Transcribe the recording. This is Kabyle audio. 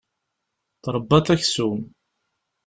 Tṛebbaḍ aksum.